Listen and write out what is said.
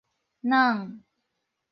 軟